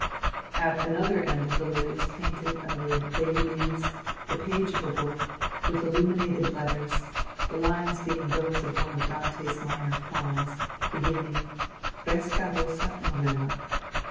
At another end of the lid is painted amid bay leaves the page of a book, with illuminated letters, the lines being those of one of Dante's minor poems, beginning, ^^ Fresca rosa novella."